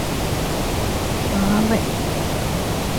ބާވަތް